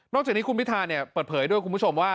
นอกจากนี้คุณพิธาเปิดเผยด้วยคุณผู้ชมว่า